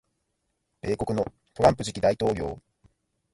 米国のトランプ次期大統領